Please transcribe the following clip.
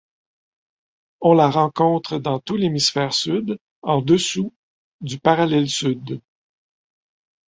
On la rencontre dans tout l'hémisphère sud, en dessous du parallèle sud.